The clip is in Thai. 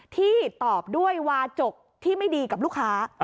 ที่ตอบด้วยวาจกที่ไม่ดีกับลูกค้า